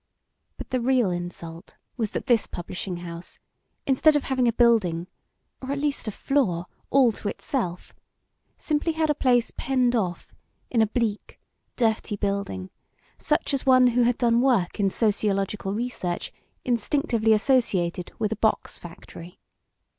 But the real insult was that this publishing house, instead of having a building, or at least a floor, all to itself, simply had a place penned off in a bleak, dirty building such as one who had done work in sociological research instinctively associated with a box factory.